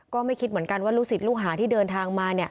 ก็ไม่คิดเหมือนกันว่าลูกศิษย์ลูกหาที่เดินทางมา